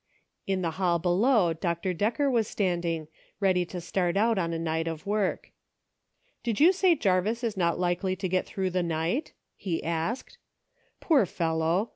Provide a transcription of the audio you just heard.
In the hall below Dr. Decker was standing, ready to start out on a night of work. " Do you say Jarvis is not likely to get through the night }" he asked. " Poor fellow